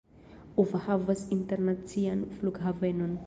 Ufa havas internacian flughavenon.